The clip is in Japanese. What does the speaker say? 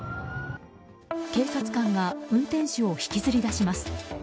警察官が運転手を引きずり出します。